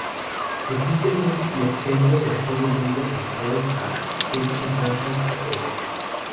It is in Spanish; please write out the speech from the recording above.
Existen múltiples templos en todo el mundo dedicados a esta santa católica.